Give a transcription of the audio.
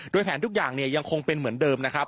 โดยแผนทุกอย่างยังคงเป็นเหมือนเดิมนะครับ